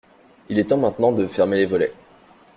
Il est temps maintenant de fermer les volets.